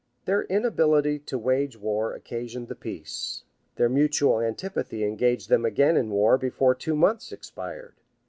[*] {1196.} Their inability to wage war occasioned the peace; their mutual antipathy engaged them again in war before two months expired.